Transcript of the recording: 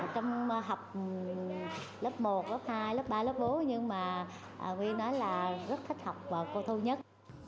trong học lớp một lớp hai lớp ba lớp bốn nhưng mà quy nói là rất thích học và cô thu nhất